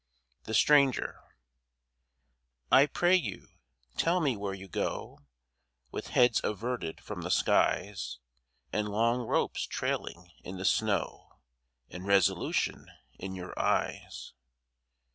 THE STRANGER I pray you, tell me where you go With heads averted from the skies, And long ropes trailing in the snow, And resolution in your eyes.